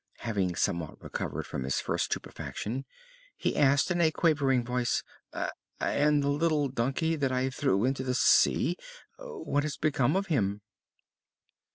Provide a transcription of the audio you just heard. Having somewhat recovered from his first stupefaction, he asked in a quavering voice: "And the little donkey that I threw into the sea? What has become of him?"